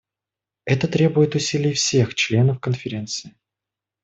Это требует усилий всех членов Конференции.